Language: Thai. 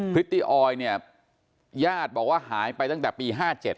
พริตตี้ออยเนี่ยญาติบอกว่าหายไปตั้งแต่ปี๕๗